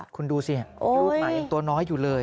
คุณดูสิลูกหมายังตัวน้อยอยู่เลย